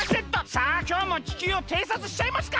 さあきょうも地球をていさつしちゃいますか！